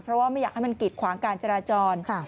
เพราะว่าไม่อยากให้มันกิดขวางการจราจร